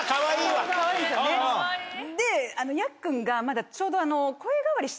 でヤッくんがまだちょうど。